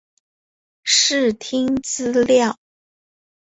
视听资料